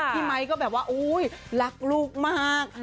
ไมค์ก็แบบว่าอุ๊ยรักลูกมาก